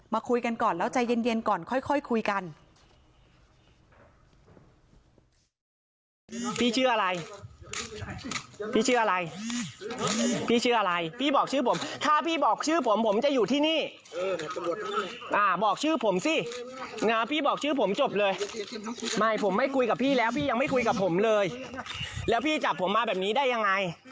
คุยกันก่อนแล้วใจเย็นก่อนค่อยคุยกัน